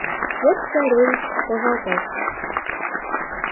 Вот царевич пожалтеш;